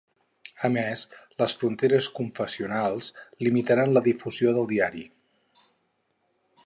A més, les fronteres confessionals limitaren la difusió del diari.